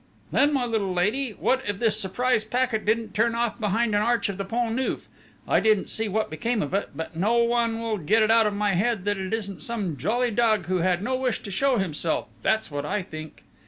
"Then, my little lady, what if this surprise packet didn't turn off behind an arch of the Pont Neuf! I didn't see what became of it but no one will get it out of my head that it isn't some jolly dog who had no wish to show himself that's what I think!"